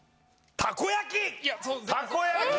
たこ焼き